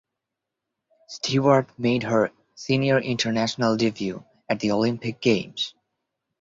Stewart made her senior international debut at the Olympic Games.